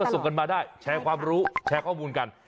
ส่งกันมาได้แชร์ความรู้แชร์ข้อมูลกัน